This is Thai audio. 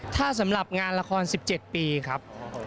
ถ้าสำหรับงานละคร๑๗ปีครับ